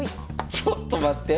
ちょっと待って。